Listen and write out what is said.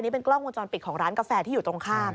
เป็นกล้องวงจรปิดของร้านกาแฟที่อยู่ตรงข้าม